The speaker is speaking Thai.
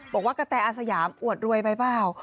บอกว่ากระแทอาสยามอวดรวยไปเปล่า